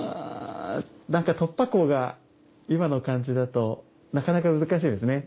何か突破口が今の感じだとなかなか難しいですね。